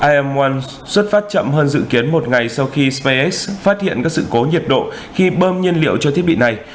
imoren xuất phát chậm hơn dự kiến một ngày sau khi spacex phát hiện các sự cố nhiệt độ khi bơm nhân liệu cho thiết bị này